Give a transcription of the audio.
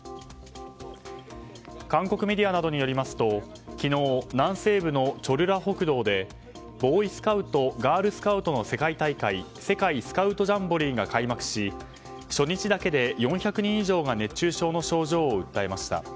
韓国メディアなどによりますと昨日、南西部のチョルラ北道でボーイスカウトガールスカウトの世界大会世界スカウトジャンボリーが開幕し初日だけで４００人以上が熱中症の症状を訴えました。